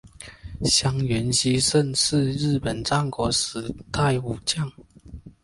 香西元盛是日本战国时代武将。